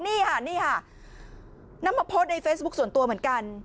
นี่ค่ะนี่ค่ะนำมาโพสต์ในเฟซบุ๊คส่วนตัวเหมือนกัน